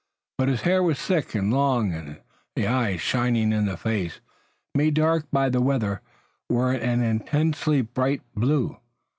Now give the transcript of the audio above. But his hair was thick and long and the eyes shining in the face, made dark by the weather, were an intensely bright blue.